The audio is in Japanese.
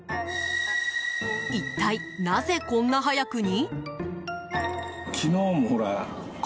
一体なぜこんな早くに？